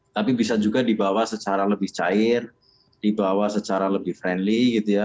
tapi bisa juga dibawa secara lebih cair dibawa secara lebih friendly gitu ya